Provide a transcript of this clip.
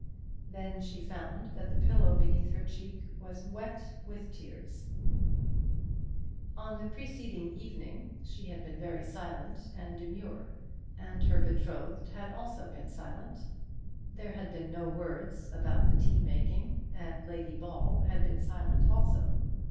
Then she found that the pillow beneath her cheek was wet with her tears. On the preceding evening she had been very silent and demure, and her betrothed had also been silent. There had been no words about the tea making, and Lady Ball had been silent also.